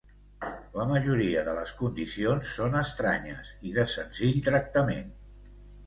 La majoria de les condicions són estranyes, i de senzill tractament.